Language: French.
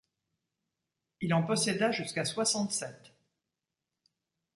Il en posséda jusqu'à soixante-sept.